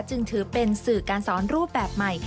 จึงถือเป็นสื่อการสอนรูปแบบใหม่